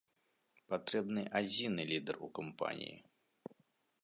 Патрэбны адзіны лідар у кампаніі.